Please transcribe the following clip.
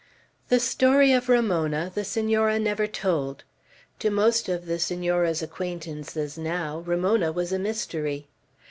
The story of Ramona the Senora never told. To most of the Senora's acquaintances now, Ramona was a mystery.